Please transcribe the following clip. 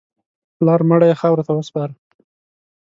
پلار مړی یې خاورو ته وسپاره.